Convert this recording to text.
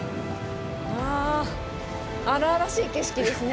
あ荒々しい景色ですね。